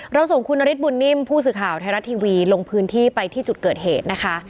ส่งคุณนฤทธบุญนิ่มผู้สื่อข่าวไทยรัฐทีวีลงพื้นที่ไปที่จุดเกิดเหตุนะคะ